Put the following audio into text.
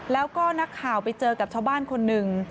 แล้วก็นักข่าวไปเจอกับชาวบ้านคนหนึ่ง